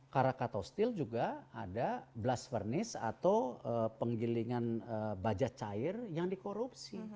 caracatostil juga ada blast furnace atau penggilingan baja cair yang dikorupsi